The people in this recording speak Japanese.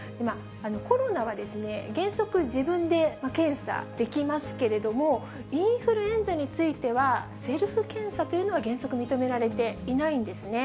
コロナは原則、自分で検査できますけれども、インフルエンザについては、セルフ検査というのは原則認められていないんですね。